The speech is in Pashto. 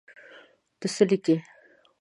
ته څه لیکې.